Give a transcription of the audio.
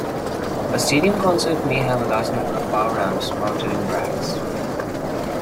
A stadium concert may have a large number of power amps mounted in racks.